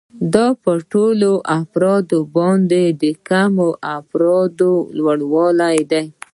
دا په ټولو افرادو باندې د کمو افرادو لوړوالی دی